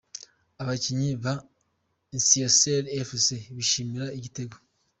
Abakinnyi ba Etincelles Fc bishimira igitego.